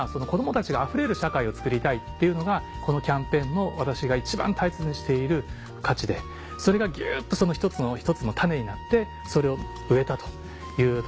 そういうふうな。っていうのがこのキャンペーンの私が一番大切にしている価値でそれがギュっとその一つの種になってそれを植えたというところです。